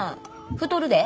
太るで。